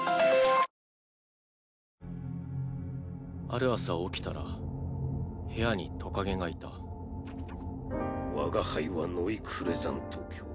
ある朝起きたら部屋にトカゲがいた我が輩はノイ＝クレザント卿。